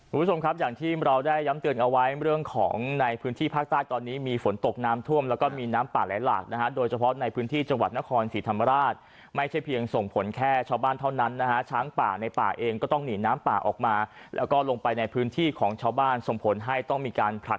คุณผู้ชมครับอย่างที่เราได้ย้ำเตือนเอาไว้เรื่องของในพื้นที่ภาคใต้ตอนนี้มีฝนตกน้ำท่วมแล้วก็มีน้ำป่าไหลหลากนะฮะโดยเฉพาะในพื้นที่จังหวัดนครศรีธรรมราชไม่ใช่เพียงส่งผลแค่ชาวบ้านเท่านั้นนะฮะช้างป่าในป่าเองก็ต้องหนีน้ำป่าออกมาแล้วก็ลงไปในพื้นที่ของชาวบ้านส่งผลให้ต้องมีการผลัก